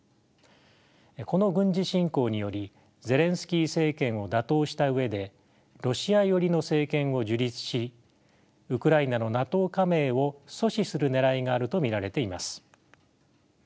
この軍事侵攻によりゼレンスキー政権を打倒した上でロシア寄りの政権を樹立しウクライナのＮＡＴＯ加盟を阻止するねらいがあると見られています。